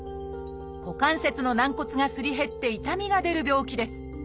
股関節の軟骨がすり減って痛みが出る病気です。